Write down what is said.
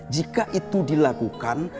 jika itu dilakukan